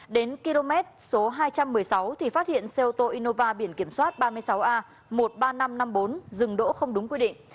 đến km số hai trăm một mươi sáu thì phát hiện xe ô tô innova biển kiểm soát ba mươi sáu a một mươi ba nghìn năm trăm năm mươi bốn dừng đỗ không đúng quy định